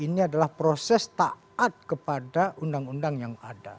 kita harus taat kepada undang undang yang ada